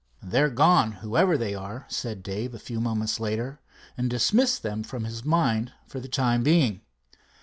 "They're gone, whoever they are," said Dave a few moments later, and dismissed them from his mind for the time being.